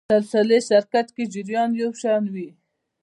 سلسلې سرکټ کې جریان یو شان وي.